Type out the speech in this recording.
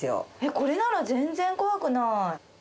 これなら全然怖くない。